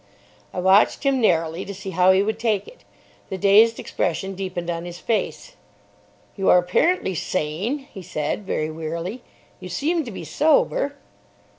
I watched him narrowly to see how he would take it. The dazed expression deepened on his face. "You are apparently sane," he said, very wearily. "You seem to be sober."